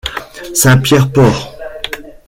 Saint-Pierre-Port